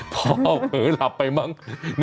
เพราะหมืออับไปมั้ง